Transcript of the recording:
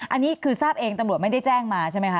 อันนี้คือทราบเองตำรวจไม่ได้แจ้งมาใช่ไหมคะ